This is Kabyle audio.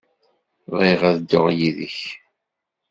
Bɣiɣ ad dduɣ yid-k.